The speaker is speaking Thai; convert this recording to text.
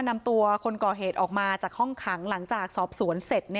นำตัวคนก่อเหตุออกมาจากห้องขังหลังจากสอบสวนเสร็จ